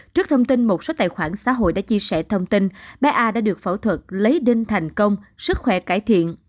trước thông tin một số tài khoản xã hội đã chia sẻ thông tin bé a đã được phẫu thuật lấy đinh thành công sức khỏe cải thiện